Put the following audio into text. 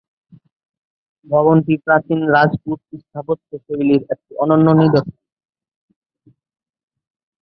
ভবনটি প্রাচীন রাজপুত স্থাপত্য শৈলীর একটি অনন্য নিদর্শন।